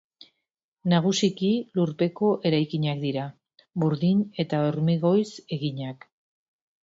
Nagusiki lurpeko eraikinak dira, burdin eta hormigoiz eginak.